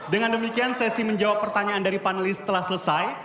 dengan demikian sesi menjawab pertanyaan dari panelis telah selesai